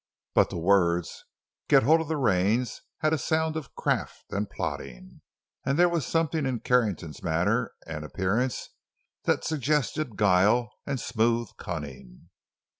But the words, "Get hold of the reins," had a sound of craft and plotting. And there was something in Carrington's manner and appearance that suggested guile and smooth cunning.